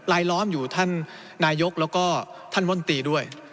ล้อมอยู่ท่านนายกแล้วก็ท่านมนตรีด้วย